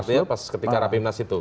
artinya pas ketika rapimnas itu